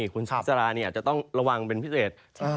คุณสุราจะต้องระวังเป็นพิเศษ